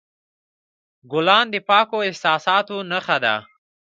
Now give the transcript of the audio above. ګلان د پاکو احساساتو نښه ده.